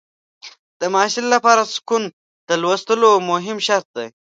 د محصل لپاره سکون د لوستلو مهم شرط دی.